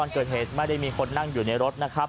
โอ้โหออกมาจากการไปซื้อของเห็นอย่างนี้ก็ตกใจสิครับ